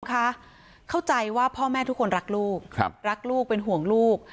ค่ะเข้าใจว่าพ่อแม่ทุกคนรักลูกรักลูกเป็นห่วงลูก